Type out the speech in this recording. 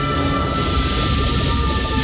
aku akan menangkapmu